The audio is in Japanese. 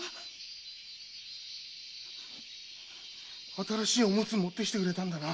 新しいオムツを持ってきてくれたんだな。